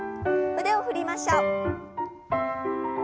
腕を振りましょう。